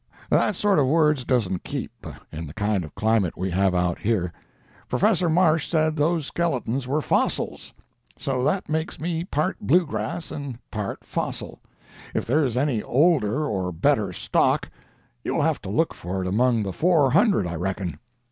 That sort of words doesn't keep, in the kind of climate we have out here. Professor Marsh said those skeletons were fossils. So that makes me part blue grass and part fossil; if there is any older or better stock, you will have to look for it among the Four Hundred, I reckon.